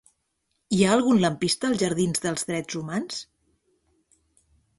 Hi ha algun lampista als jardins dels Drets Humans?